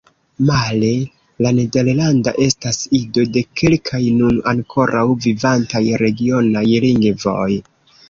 Male, la nederlanda estas ido de kelkaj nun ankoraŭ vivantaj regionaj lingvoj.